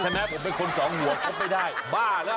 แค่แม้ผมเป็นคนสองห่วงพบไม่ได้บ้าหรือ